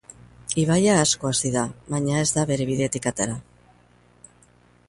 Ibaia asko hazi da, baina ez da bere bidetik atera.